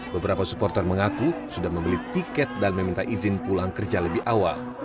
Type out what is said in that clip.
beberapa supporter mengaku sudah membeli tiket dan meminta izin pulang kerja lebih awal